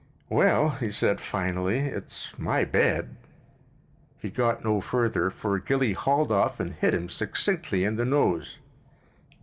"Well," he said finally, "it's my bed—" He got no further, for Gilly hauled off and hit him succinctly in the nose.